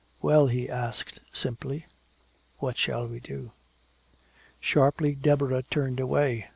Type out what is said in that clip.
"Well," he asked simply, "what shall we do?" Sharply Deborah turned away.